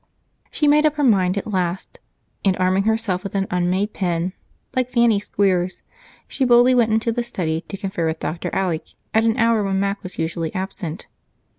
She made up her mind at last, and arming herself with an unmade pen, like Fanny Squeers, she boldly went into the study to confer with Dr. Alec at an hour when Mac was usually absent.